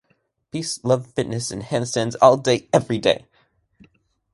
Peace, love, fitness and handstands all day everyday!